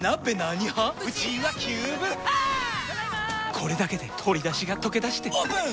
これだけで鶏だしがとけだしてオープン！